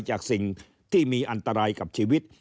จากสิ่งที่มีอันตรายกับชีวิต